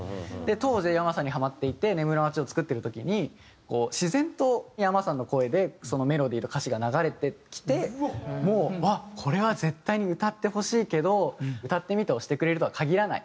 当時ｙａｍａさんにハマっていて『ねむるまち』を作ってる時にこう自然とｙａｍａさんの声でそのメロディーと歌詞が流れてきてもううわっこれは絶対に歌ってほしいけど「歌ってみた」をしてくれるとは限らない。